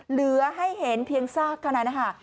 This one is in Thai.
เหลือให้เห็นเพียงซากขนาดนั้นค่ะ